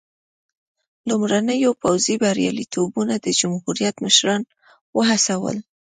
لومړنیو پوځي بریالیتوبونو د جمهوریت مشران وهڅول.